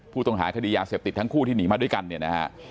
ผู้ต้องหาคดียาเสพติดทั้งคู่ที่หนีมาด้วยกันเนี่ยนะฮะ